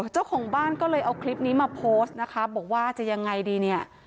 เจ้าของบ้านก็เลยเอาคลิปนี้มาโพสต์นะคะบอกว่าจะยังไงดีเนี่ย